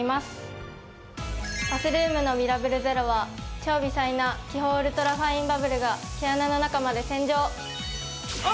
バスルームのミラブルｚｅｒｏは超微細な気泡ウルトラファインバブルが毛穴の中まで洗浄。